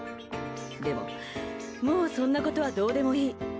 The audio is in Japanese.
でももうそんなことはどうでもいい。